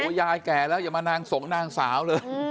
ยายแก่แล้วอย่ามานางสงนางสาวเลย